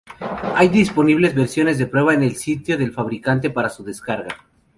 Hay disponibles versiones de prueba en el sitio del fabricante para su descarga.